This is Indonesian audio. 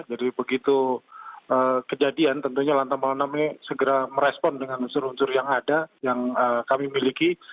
jadi begitu kejadian tentunya lantamal enam ini segera merespon dengan unsur unsur yang ada yang kami miliki